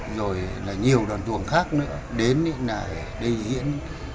rồi là nhiều đoàn tuồng khác nữa đến để diễn